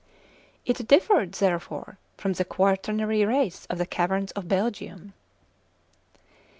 It differed, therefore, from the quaternary race of the caverns of Belgium.